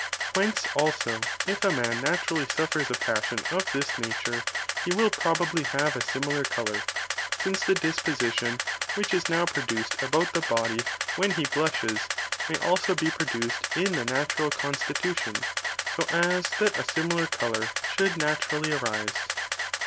Whence also if a man naturally suffers a passion of this nature, he will probably have a similar colour, since the disposition which is now produced about the body when he blushes, may also be produced in the natural constitution, so as that a similar colour should naturally arise.